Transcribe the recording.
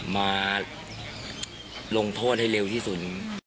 มาลงโทษให้เร็วที่สุด